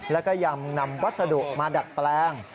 แล้วก็ยังนำวัสดุมาดัดแปลง